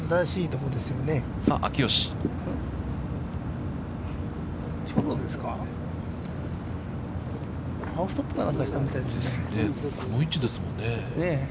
この位置ですもんね。